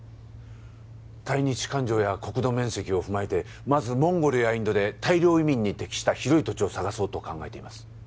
対日感情や国土面積を踏まえてまずモンゴルやインドで大量移民に適した広い土地を探そうと考えています